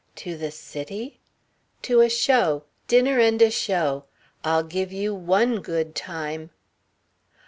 "To the city?" "To a show. Dinner and a show. I'll give you one good time."